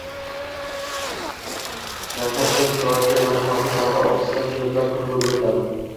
Manhattan turar joy majmuasi savdo ofisida Mijozlar kuni bo‘lib o‘tadi